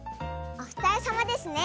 おふたりさまですね。